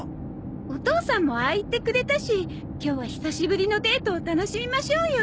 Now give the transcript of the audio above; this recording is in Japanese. お義父さんもああ言ってくれたし今日は久しぶりのデートを楽しみましょうよ。